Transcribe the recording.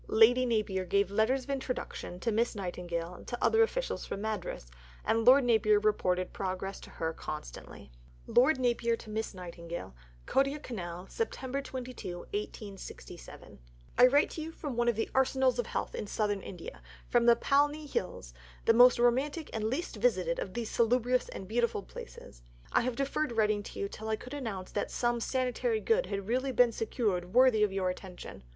Lady Napier gave letters of introduction to Miss Nightingale to other officials from Madras, and Lord Napier reported progress to her constantly: (Lord Napier to Miss Nightingale.) KODAIKANAL, Sept. 22 . I write to you from one of the Arsenals of Health in Southern India, from the Palni Hills, the most romantic and least visited of these salubrious and beautiful places.... I have deferred writing to you till I could announce that some sanitary good had really been secured worthy of your attention.